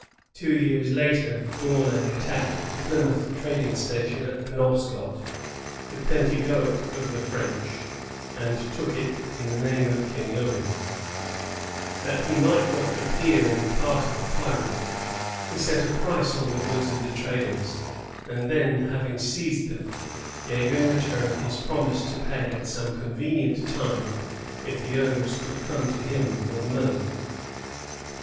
^ Two years later D'Aunay attacked the Plymouth trading station at Penobscot, the Pentegoet of the French, and took it in the name of King Louis. That he might not appear in the part of a pirate, he set a 1 Hubbard, History of New England, 108. 16 LA TOUR Ain) D'AUNAY [l«38 42. price on the goods of the traders, and then, having seized them, gave in retom his promise to pay at some convenient time if the owners would come to him for the money.